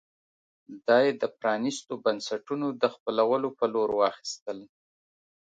دا یې د پرانېستو بنسټونو د خپلولو په لور واخیستل.